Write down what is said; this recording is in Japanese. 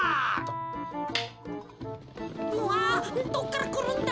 うわどっからくるんだ？